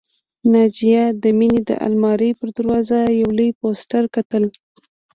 ناجیه د مينې د آلمارۍ پر دروازه یو لوی پوسټر کتل